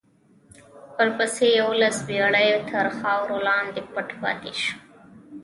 ورپسې یوولس پېړۍ تر خاورو لاندې پټ پاتې شو.